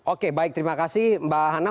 oke baik terima kasih mbak hana